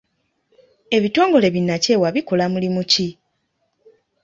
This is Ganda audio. Ebitongole bi nnakyewa bikola mulimu ki?